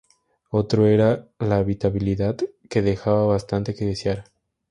Otro era la habitabilidad, que dejaba bastante que desear.